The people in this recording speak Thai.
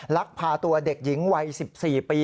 ลักพาตัวเด็กหญิงวัย๑๔ปี